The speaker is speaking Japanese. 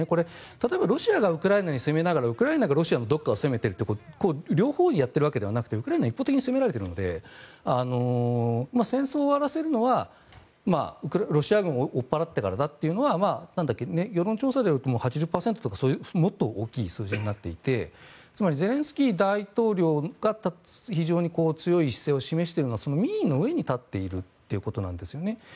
例えばロシアがウクライナに攻めながらウクライナがロシアのどこかを攻めているという両方をやっているわけではなくてウクライナは一方的に攻められているので戦争を終わらせるのはロシア軍を追っ払ってからだというのは世論調査でいうと８０％とかもっと大きい数字になっていてつまりゼレンスキー大統領が非常に強い姿勢を示しているのは民意の上に立っているということなんですね。